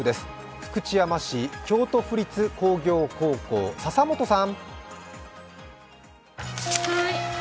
福知山市京都府立工業高校笹本さん。